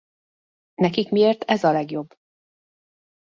Nekik miért ez a legjobb?